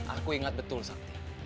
aku ingat betul sarti